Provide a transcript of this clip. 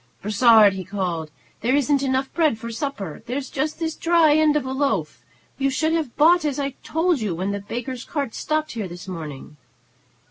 "Brossard," he called, "there isn't enough bread for supper; there's just this dry end of a loaf. You should have bought as I told you, when the baker's cart stopped here this morning."